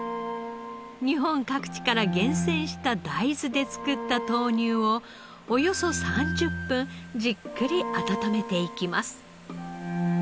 日本各地から厳選した大豆で作った豆乳をおよそ３０分じっくり温めていきます。